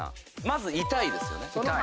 まず痛いですよね。